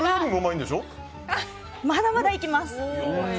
まだまだいきます！